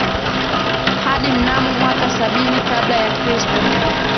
hadi mnamo mwaka sabini kabla ya kristo